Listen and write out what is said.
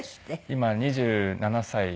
今２７歳。